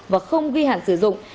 và không ghi hẳn sử dụng